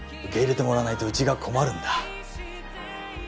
受け入れてもらわないとうちが困るんだ。